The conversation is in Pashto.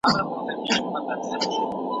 هغه څوک چي څېړونکی نه وي لارښود کیدای نسي.